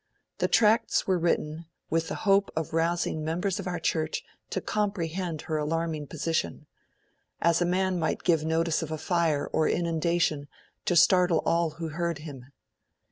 The Tracts were written 'with the hope of rousing members of our Church to comprehend her alarming position ... as a man might give notice of a fire or inundation, to startle all who heard him'.